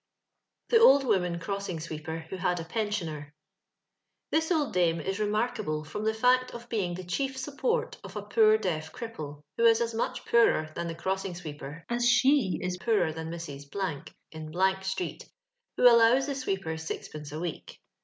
The Oij) Woman Crossino Swekpkr vbo^ HAD A PkNSIONER. This old dame is remarkable from tho faot of being the chief support of a poor deaf cripple, who is as much poorer thou the cross iny swcepcr as she is pooler than Mrs. •, ill street, who allows the sweeper sixpence a weck.